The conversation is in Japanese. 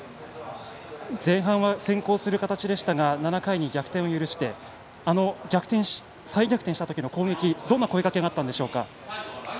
前半は先行する形でしたが７回に逆転を許して再逆転した時の攻撃どんな声かけがあったんでしょうか。